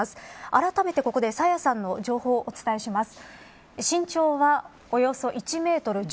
あらためて、ここで朝芽さんの情報をお伝えします。